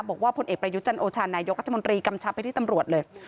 บอกว่าผลเอกประยุจรรย์โอชาญนายยกรัฐมนตรีกำชับไปที่ตำรวจเลย